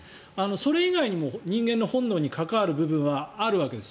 それ以外にも人間の本能に関わる部分はあるわけです。